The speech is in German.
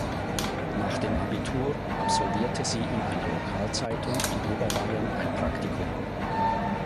Nach dem Abitur absolvierte sie in einer Lokalzeitung in Oberbayern ein Praktikum.